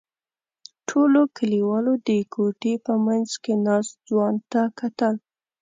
ټولو کلیوالو د کوټې په منځ کې ناست ځوان ته کتل.